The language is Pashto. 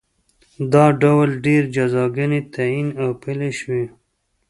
دا ډول ډېرې جزاګانې تعین او پلې شوې.